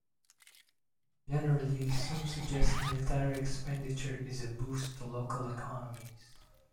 Generally, some suggest military expenditure is a boost to local economies.